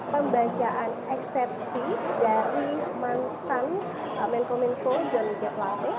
pembagian eksepsi dari mantan menthol menthol joni g platih